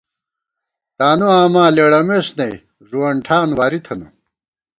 تانُو آما لېڑَمېس نئ ، ݫُوَن ٹھان واری تھنہ